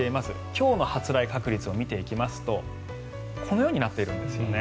今日の発雷確率を見ていきますとこのようになっているんですよね。